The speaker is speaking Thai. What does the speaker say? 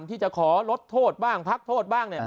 ที่จะขอลดโทษบ้างพักโทษบ้าง